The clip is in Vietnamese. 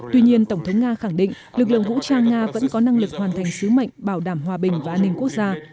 tuy nhiên tổng thống nga khẳng định lực lượng vũ trang nga vẫn có năng lực hoàn thành sứ mệnh bảo đảm hòa bình và an ninh quốc gia